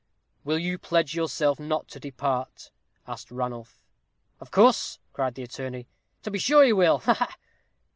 "Will you pledge yourself not to depart?" asked Ranulph. "Of course," cried the attorney; "to be sure he will. Ha, ha!"